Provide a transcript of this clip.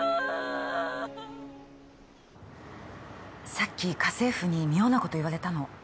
さっき家政婦に妙な事言われたの。